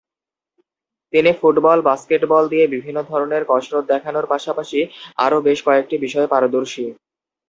তিনি football, basketball দিয়ে বিভিন্ন ধরনের কসরত দেখানোর পাশাপাশি আরো বেশ কয়েকটি বিষয়ে পারদর্শী।